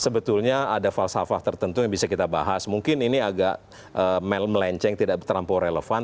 sebetulnya ada falsafah tertentu yang bisa kita bahas mungkin ini agak melenceng tidak terlampau relevan